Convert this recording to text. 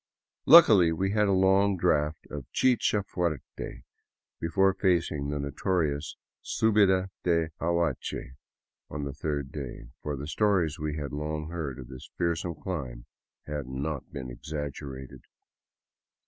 Luckily we had a long draught of chkha fucrte before facing the notorious suhida de Aguache on the third day, for the stories we had long heard of this fearsome climb had not been exaggerated.